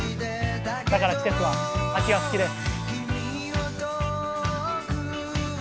だから季節は秋が好きです。